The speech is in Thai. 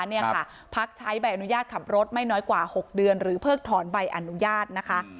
นี่ค่ะพักใช้ใบอนุญาตขับรถไม่น้อยกว่า๖เดือนหรือเพิกถอนใบอนุญาตนะคะ